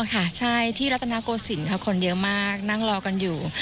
ค่ะใช่ที่รัฐนาโกศิลป์ค่ะคนเยอะมากนั่งรอกันอยู่